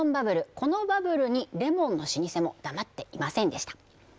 このバブルにレモンの老舗も黙っていませんでした